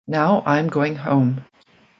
Now I'm going home.